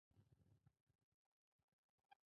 تابلو به یې ترې جوړوله.